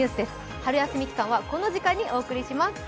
春休み期間はこの時間にお送りします。